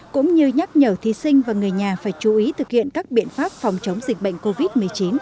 cũng như nhắc nhở thí sinh và người nhà phải chú ý thực hiện các biện pháp phòng chống dịch bệnh covid một mươi chín